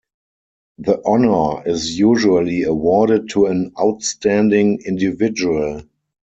The honour is usually awarded to an outstanding individual.